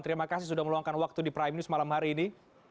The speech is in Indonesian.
terima kasih sudah meluangkan waktu di prime news malam hari ini